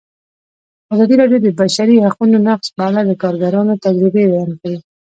ازادي راډیو د د بشري حقونو نقض په اړه د کارګرانو تجربې بیان کړي.